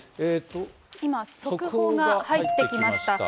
今、速報が入ってきました。